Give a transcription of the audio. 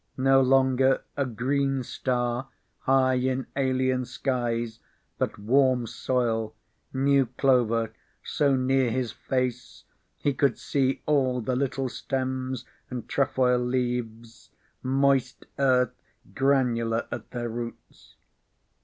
No longer a green star high in alien skies, but warm soil, new clover so near his face he could see all the little stems and trefoil leaves, moist earth granular at their roots.